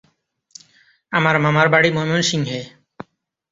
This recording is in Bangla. আমার মামার বাড়ি ময়মনসিংহে।